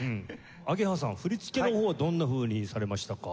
鳳蝶さん振り付けの方はどんなふうにされましたか？